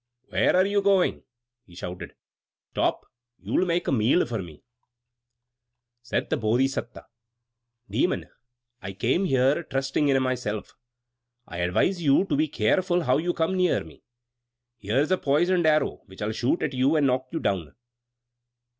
"Where are you going?" he shouted. "Stop! You'll make a meal for me!" Said the Bodhisatta: "Demon, I came here trusting in myself. I advise you to be careful how you come near me. Here's a poisoned arrow, which I'll shoot at you and knock you down!"